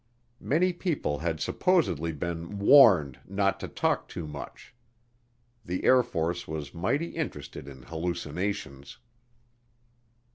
Many people had supposedly been "warned" not to talk too much. The Air Force was mighty interested in hallucinations.